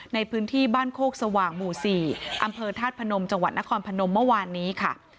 ในพื้นที่บ้านโคกสว่างหมู่๔อำเภอธาตุพนมจังหวัดนครพนมเมื่อวานนี้ค่ะ